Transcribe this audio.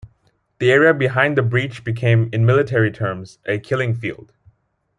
The area behind the breach became, in military terms, a "killing field".